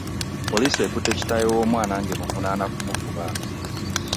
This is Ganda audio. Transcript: Poliisi ekutte kitawe w'omwana nga emuvunana ku mukuba.